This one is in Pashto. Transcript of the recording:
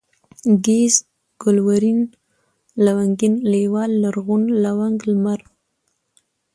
گهيځ ، گلورين ، لونگين ، لېوال ، لرغون ، لونگ ، لمر